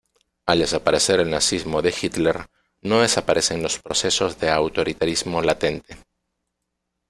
Al desaparecer el Nazismo de Hitler no desaparecen los procesos de autoritarismo latente.